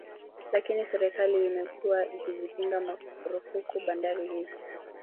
Lakini serikali imekuwa ikizipiga marufuku bandari hizi